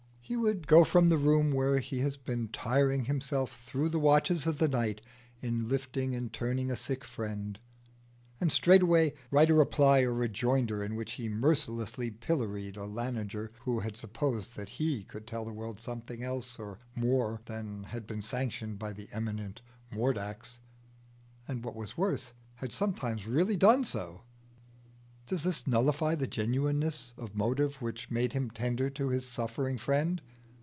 He would go from the room where he has been tiring himself through the watches of the night in lifting and turning a sick friend, and straightway write a reply or rejoinder in which he mercilessly pilloried a Laniger who had supposed that he could tell the world something else or more than had been sanctioned by the eminent Mordax and what was worse, had sometimes really done so. Does this nullify the genuineness of motive which made him tender to his suffering friend?